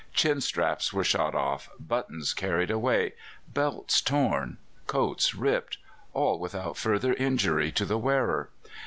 Chin straps were shot off, buttons carried away, belts torn, coats ripped all without further injury to the wearer.